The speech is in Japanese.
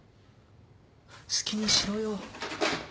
好きにしろよ。